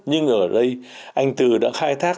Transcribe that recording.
nhưng ở đây anh tử đã khai thác